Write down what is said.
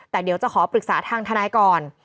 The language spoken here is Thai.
แต่เดี๋ยวจะขอปรึกษาทางทนายก่อน